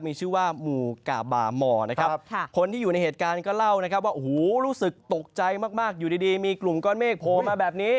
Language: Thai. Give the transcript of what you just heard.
มีชื่อว่ามูกบาหมอคนที่อยู่ในเหตุการณ์ก็เล่าว่าอูหูรู้สึกตกใจมากอยู่ดีมีกลุ่มก้อนเมฆโผล่มาแบบนี้